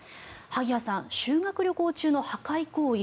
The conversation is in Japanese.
萩谷さん、修学旅行中の破壊行為